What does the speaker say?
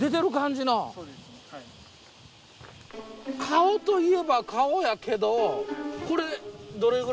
顔といえば顔やけど。